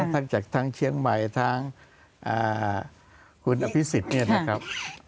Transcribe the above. ทั้งจากทั้งเชียงใหม่ทั้งคุณอภิษฎเนี่ยนะครับ